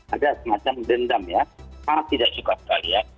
ada semacam dendam ya sangat tidak suka sekali ya